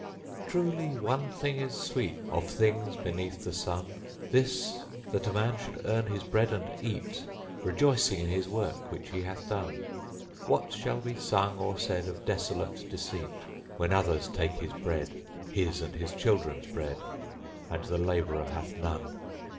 _Truly, one thing is sweet Of things beneath the Sun; This, that a man should earn his bread and eat, Rejoicing in his work which he hath done. What shall be sung or said Of desolate deceit. When others take his bread; His and his children's bread? And the laborer hath none.